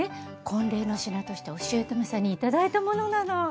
婚礼の品としておしゅうとめさんに頂いたものなの。